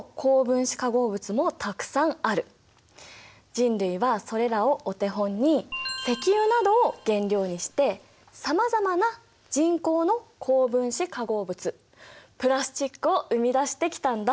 人類はそれらをお手本に石油などを原料にしてさまざまな人工の高分子化合物プラスチックを生み出してきたんだ。